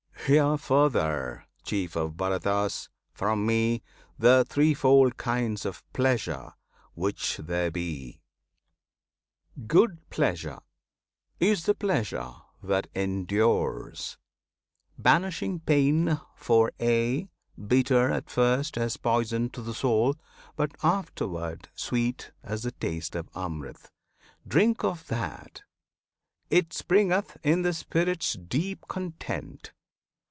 Hear further, Chief of Bharatas! from Me The threefold kinds of Pleasure which there be. Good Pleasure is the pleasure that endures, Banishing pain for aye; bitter at first As poison to the soul, but afterward Sweet as the taste of Amrit. Drink of that! It springeth in the Spirit's deep content.